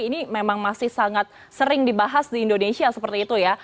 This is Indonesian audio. ini memang masih sangat sering dibahas di indonesia seperti itu ya